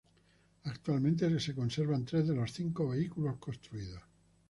Actualmente se conservan tres de los cinco vehículos construidos.